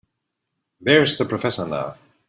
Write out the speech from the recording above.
There's the professor now.